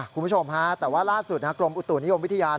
คุณผู้ชมฮะแต่ว่าล่าสุดกรมอุตุนิยมวิทยา